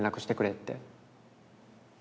って。